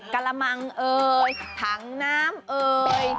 กระมังเอ่ยถังน้ำเอ่ย